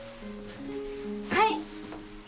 はい！